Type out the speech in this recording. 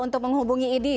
untuk menghubungi idi